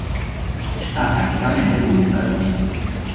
Está prácticamente cubierta de bosque.